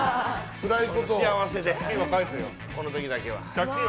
幸せで、この時だけは。